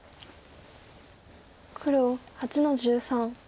黒８の十三。